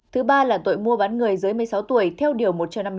thứ ba là tội mua bán người dưới một mươi sáu tuổi theo điều một trăm năm mươi sáu